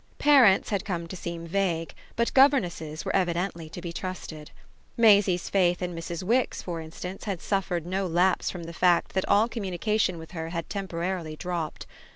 Parents had come to seem vague, but governesses were evidently to be trusted. Maisie's faith in Mrs. Wix for instance had suffered no lapse from the fact that all communication with her had temporarily dropped.